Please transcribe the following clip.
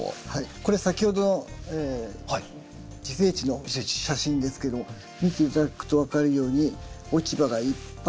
これ先ほどの自生地の写真ですけど見て頂くと分かるように落ち葉がいっぱいあります。